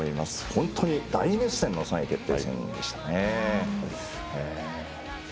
本当に大熱戦の３位決定戦でしたね。